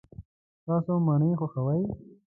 تاسو مڼې خوښوئ؟